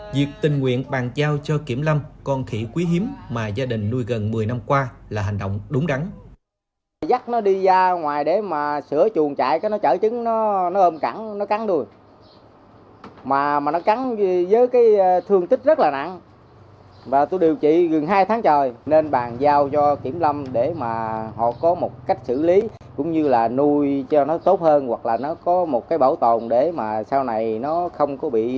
việc tình nguyện bàn giao cho kiểm lâm con khỉ quý hiếm mà gia đình nuôi gần một mươi năm qua là hành động đúng đắn